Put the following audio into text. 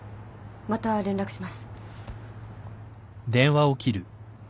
また連絡します。